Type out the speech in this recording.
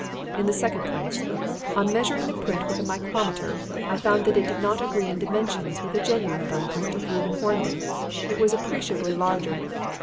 "In the second place, on measuring the print with a micrometer, I found that it did not agree in dimensions with a genuine thumb print of Reuben Hornby. It was appreciably larger.